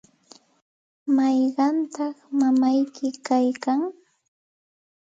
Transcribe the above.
¿mayqantaq mamayki kaykan?